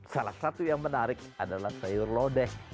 salah satu yang menarik adalah sayur lodeh